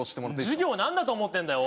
授業を何だと思ってんだよ